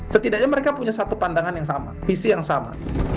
setidaknya mereka punya satu pandangan yang sama visi yang sama